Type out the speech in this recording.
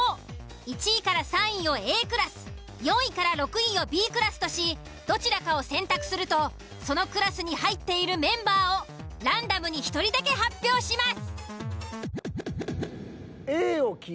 １位３位をＡクラス４位６位をＢクラスとしどちらかを選択するとそのクラスに入っているメンバーをランダムに１人だけ発表します。